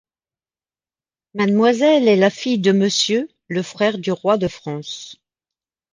Mademoiselle est la fille de Monsieur, le frère du roi de France.